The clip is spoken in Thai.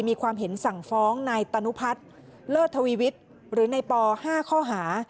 มีความเห็นสั่งฟ้องนายตนุพัฒน์เลิศทวีวิทย์หรือในป๕ข้อหา